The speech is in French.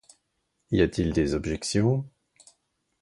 Y a-t-il des objections?